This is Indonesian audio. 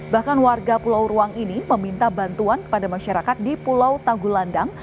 bahkan warga pulau ruang ini meminta bantuan kepada masyarakat di pulau tagulandang